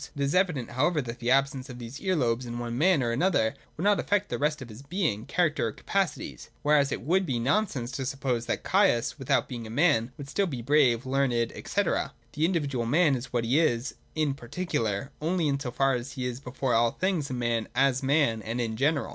It is evident, however, that the absence of these ear lobes in one man or another would not affect the rest of his being, character, or capacities : whereas it would be nonsense to suppose that Caius, without being a man, would still be brave, learned, &c. The individual man is what he is in particular, only in so far as he is before all things a man as man and in general.